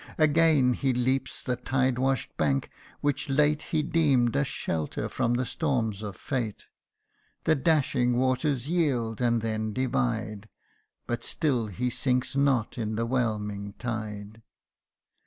Again he leaps the tide wash'd bank, which late He deem'd a shelter from the storms of fate : The dashing waters yield, and then divide ; But still he sinks not in the whelming tide.